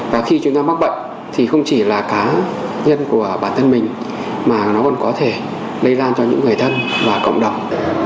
và khi chúng ta mắc bệnh thì không chỉ là cá nhân của bản thân mình mà nó còn có thể lây lan cho những người thân và cộng đồng